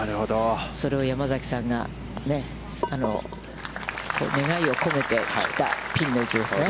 それを山崎さんが、願いを込めて切った、ピンの位置ですね。